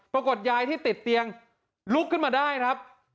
ปรากฏยายที่ติดเตียงลุกขึ้นมาได้ครับ